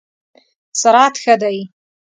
سرعت ښه دی؟